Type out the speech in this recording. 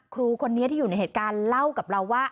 ครูคนนี้ที่อยู่ในเหตุการณ์เล่ากับเราว่า